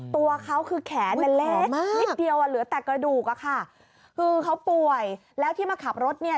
ตัวเขาคือแขนมันเล็กนิดเดียวอ่ะเหลือแต่กระดูกอะค่ะคือเขาป่วยแล้วที่มาขับรถเนี่ย